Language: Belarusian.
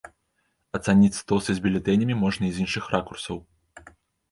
Ацаніць стосы з бюлетэнямі можна і з іншых ракурсаў.